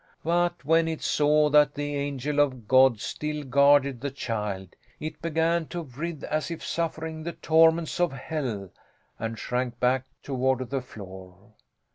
But when it saw that the angel of God still guarded the child, it began to writhe as if suffering the torments of hell, and shrank back toward the floor.